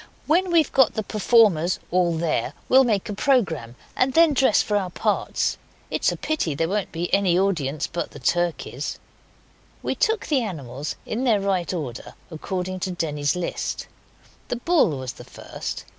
When we've got the performers all there we'll make a programme, and then dress for our parts. It's a pity there won't be any audience but the turkeys.' We took the animals in their right order, according to Denny's list. The bull was the first.